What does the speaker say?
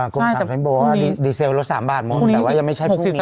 กรุงสรรพ์เซ็นต์บอกว่าดีเซลล์ลด๓บาทมนตร์แต่ว่ายังไม่ใช่พวกนี้